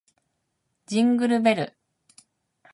ジングルベル